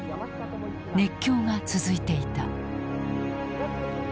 熱狂が続いていた。